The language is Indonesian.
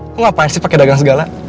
kok ngapain sih pakai dagang segala